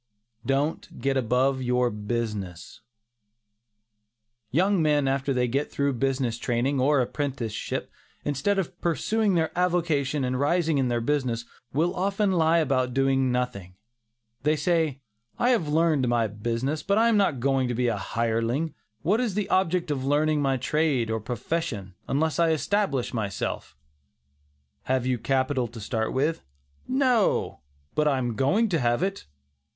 DON'T GET ABOVE YOUR BUSINESS. Young men after they get through their business training, or apprenticeship, instead of pursuing their avocation and rising in their business, will often lie about doing nothing. They say, "I have learned my business, but I am not going to be a hireling; what is the object of learning my trade or profession, unless I establish myself?" "Have you capital to start with?" "No, but I am going to have it."